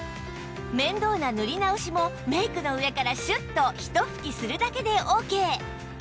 面倒な塗り直しもメイクの上からシュッとひと吹きするだけでオーケー